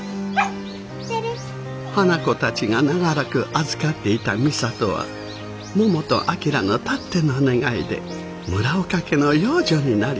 花子たちが長らく預かっていた美里はももと旭のたっての願いで村岡家の養女になりました。